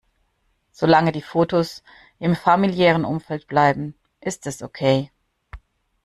Solange die Fotos im familiären Umfeld bleiben, ist es okay.